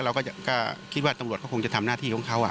เราก็คิดว่าตำรวจก็คงจะทำหน้าที่ของเขา